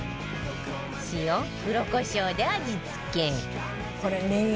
塩黒コショウで味付け